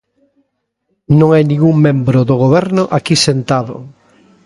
Non hai ningún membro do Goberno aquí sentado.